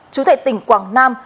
chú thệ tỉnh quảng nam